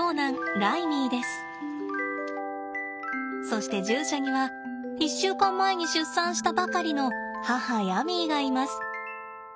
そして獣舎には１週間前に出産したばかりの母ヤミーがいます。